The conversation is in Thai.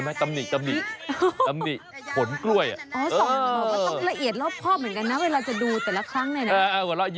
หล่ะต้องละเอียดรอบพร่อเหมือนกันเวลาจะดูแต่ละครั้ง